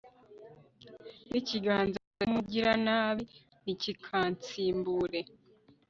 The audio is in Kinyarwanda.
n'ikiganza cy'umugiranabi ntikikantsimbure